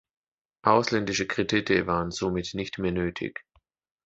Ausländische Kredite waren somit nicht mehr nötig.